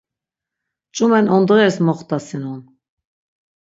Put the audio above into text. Ç̌umen ondğeris moxtasinon.